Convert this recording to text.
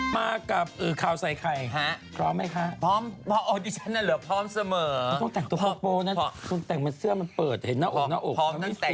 ไม่ก็กินพองน้ำ